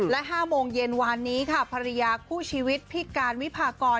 และ๕โมงเย็นวานนี้ค่ะภรรยาคู่ชีวิตพี่การวิพากร